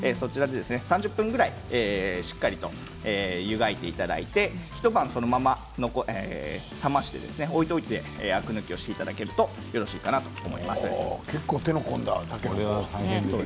３０分ぐらいしっかりと湯がいていただいて一晩そのまま冷まして置いておいてアク抜きをしていただけるといいかと思います。